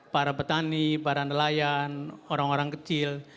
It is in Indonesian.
para petani para nelayan orang orang kecil